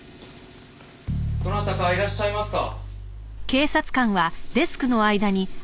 どなたかいらっしゃいますか？